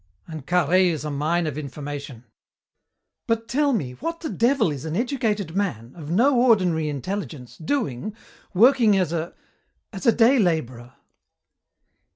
"And Carhaix is a mine of information." "But tell me, what the devil is an educated man, of no ordinary intelligence, doing, working as a as a day labourer?"